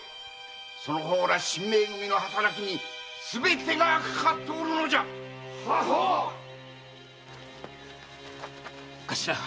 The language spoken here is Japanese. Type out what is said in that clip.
その方ら神盟組の働きにすべてがかかっておるのじゃカシラ。